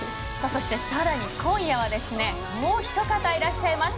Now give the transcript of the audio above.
そして更に今夜はもうひと方いらっしゃいます。